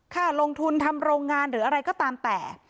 ค่าลงทุนทำโรงงานหรืออะไรก็ตามแต่